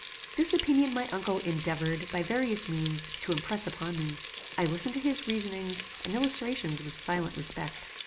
This opinion my uncle endeavoured, by various means, to impress upon me. I listened to his reasonings and illustrations with silent respect.